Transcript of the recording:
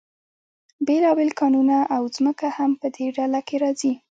بیلابیل کانونه او ځمکه هم په دې ډله کې راځي.